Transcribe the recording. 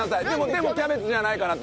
でもキャベツじゃないかなと。